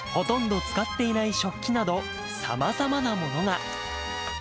ほとんど使っていない食器など、さまざまなものが。